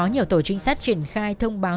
nhiều tổ chính sát triển khai thông báo